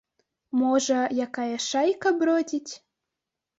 Можа, якая шайка бродзіць.